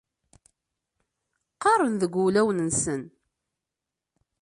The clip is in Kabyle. Qqaren deg wulawen-nsen.